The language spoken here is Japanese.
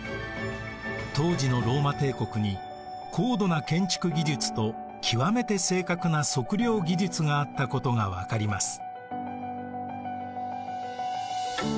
当時のローマ帝国に高度な建築技術と極めて正確な測量技術があったことが分かります。